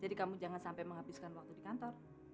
jadi kamu jangan sampai menghabiskan waktu di kantor